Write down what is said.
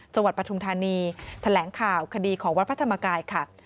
ปฐุมธานีแถลงข่าวคดีของวัดพระธรรมกายค่ะ